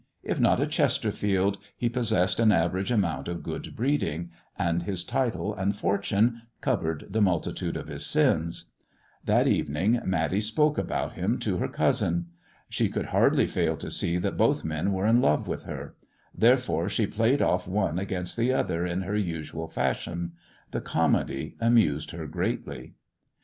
If not a Chesterfield, he pos sessed an average amount of good breeding, and his title and fortune covered the multitude of his sins. That even ing Matty spoke about him to her cousin. She could hardly fail to see that both men were in love with her; therefore she played off one against the other in her usual fashion. The comedy amused her greatly.